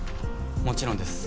もちろんです。